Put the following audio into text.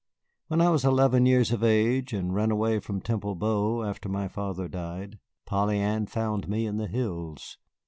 "When I was eleven years of age and ran away from Temple Bow after my father died, Polly Ann found me in the hills.